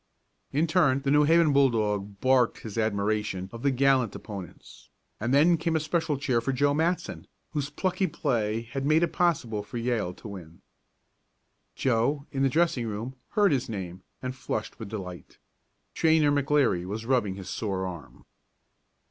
In turn the New Haven bulldog barked his admiration of the gallant opponents, and then came a special cheer for Joe Matson, whose plucky play had made it possible for Yale to win. Joe, in the dressing room, heard his name, and flushed with delight. Trainer McLeary was rubbing his sore arm.